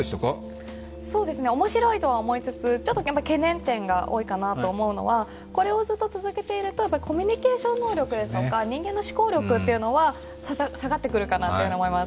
おもしろいとは思いつつ、ちょっと懸念点が多いかなと思うのは、これをずっと続けているとコミュニケーション能力とか人間の思考力は下がってくるかと思います。